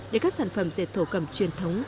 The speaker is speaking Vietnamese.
để các sản phẩm dệt thổ cầm truyền thống